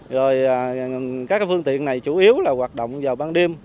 rồi các phương tiện này chủ yếu là hoạt động vào ban đêm